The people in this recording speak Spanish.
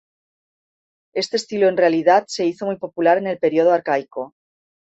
Este estilo en realidad se hizo muy popular en el Período Arcaico.